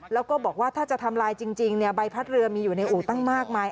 แล้วก็บอกว่าถ้าจะทำลายจริงใบพัดเรือมีอยู่ในอู่ตั้งมากมาย